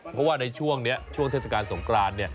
เพราะว่าในช่วงนี้ช่วงเทศกาลสงกราน